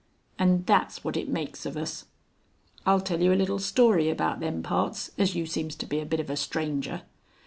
And that's wot it makes of us. I'll tell you a little story about them parts as you seems to be a bit of a stranger.